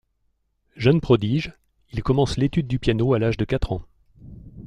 Jeune prodige, il commence l’étude du piano à l’âge de quatre ans.